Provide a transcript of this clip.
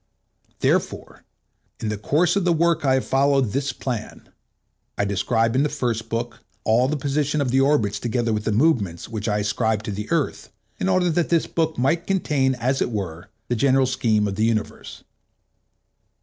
Therefore, in the course of the work I have followed this plan: I describe in the first book all the positions of the orbits together with the movements which I ascribe to the Earth, in order that this book might contain, as it were, the general scheme of the universe.